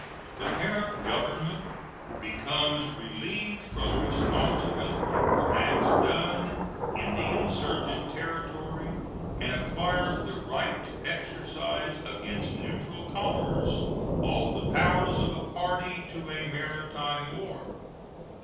The parent Government becomes relieved from responsibility for acts done in the insurgent territory, and acquires the right to exercise against neutral commerce all the powers of a party to a maritime war.